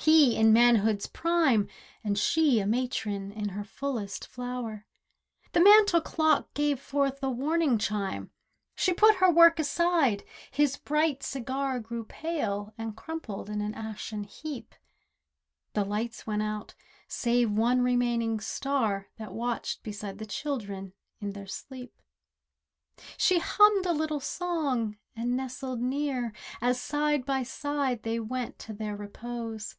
He in manhood's prime And she a matron in her fullest flower. The mantel clock gave forth a warning chime. She put her work aside; his bright cigar Grew pale, and crumbled in an ashen heap. The lights went out, save one remaining star That watched beside the children in their sleep. She hummed a little song and nestled near, As side by side they went to their repose.